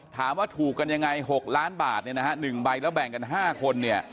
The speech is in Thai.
ถามว่าถูกกันยังไง๖ล้านบาทหนึ่งใบแล้วแบ่งกัน๕คน